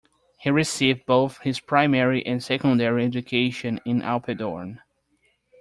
He received both his primary and secondary education in Apeldoorn.